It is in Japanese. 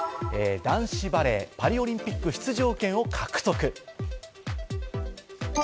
男子バレー、パリオリンピック出場権を獲得。